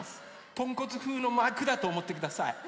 とんこつふうのまくだとおもってください。